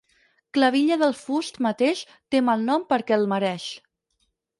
Clavilla del fust mateix té mal nom perquè el mereix.